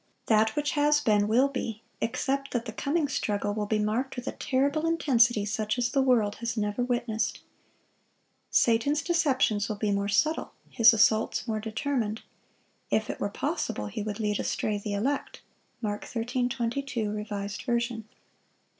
That which has been, will be, except that the coming struggle will be marked with a terrible intensity such as the world has never witnessed. Satan's deceptions will be more subtle, his assaults more determined. If it were possible, he would lead astray the elect. Mark 13:22, Revised Version.